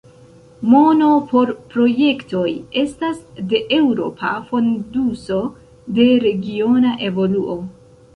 Mono por projektoj estas de Eŭropa fonduso de regiona evoluo.